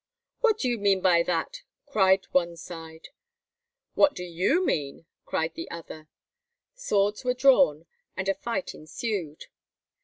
"What do you mean by that?" cried one side. "What do you mean?" cried the other. Swords were drawn, and a fight ensued.